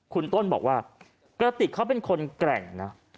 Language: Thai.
คุณต้นบอกว่ากระติกเขาเป็นคนแกร่งนะ